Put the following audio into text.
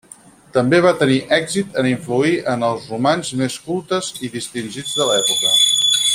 També va tenir èxit en influir en els romans més cultes i distingits de l'època.